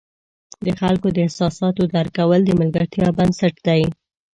د خلکو د احساساتو درک کول د ملګرتیا بنسټ دی.